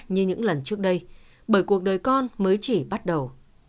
như những lần trước đây bởi cuộc đời con mới chỉ bắt đầu